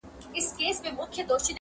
کال په کال یې زیاتېدل مځکي باغونه.!